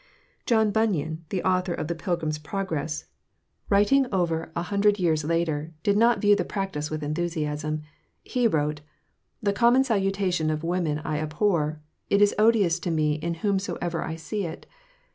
John Bunyan, the author of the "Pilgrim's Progress," writing over a hundred years later, did not view the practice with enthusiasm. He wrote: "The common salutation of women I abhor; it is odious to me in whomsoever I see it.